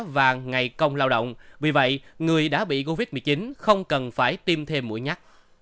và ngày công lao động vì vậy người đã bị covid một mươi chín không cần phải tiêm thêm mũi nhắt